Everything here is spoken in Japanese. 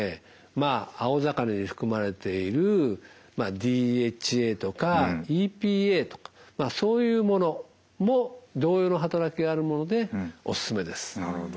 まあ青魚に含まれているＤＨＡとかＥＰＡとかそういうものも同様の働きがあるものでおすすめです。